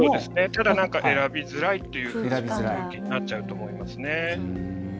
ただ、選びづらいという意見になっちゃうと思いますね。